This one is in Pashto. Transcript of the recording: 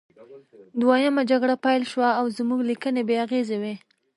دویمه جګړه پیل شوه او زموږ لیکنې بې اغیزې وې